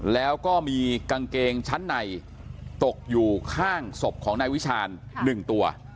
แล้วก็มีกางเกงชั้นในตกอยู่ข้างศพของนายวิชาณ๑ตัว